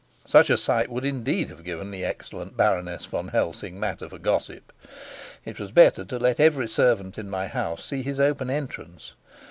Such a sight would indeed have given the excellent Baroness von Helsing matter for gossip! It was better to let every servant in my house see his open entrance.